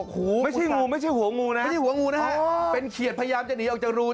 หัวงูไม่ใช่หัวงูนะเป็นเขียดพยายามจะหนีออกจากรู